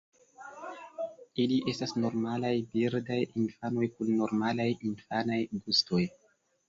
Ili estas normalaj birdaj infanoj kun normalaj infanaj gustoj.